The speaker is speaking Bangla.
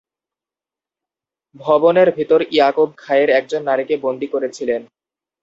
ভবনের ভেতর ইয়াকুব খায়ের এক নারীকে বন্দি করেছিল।